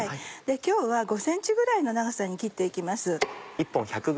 今日は５ｃｍぐらいの長さに切って行きます。